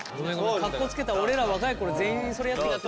かっこつけた俺ら若い頃全員それやってきてさ。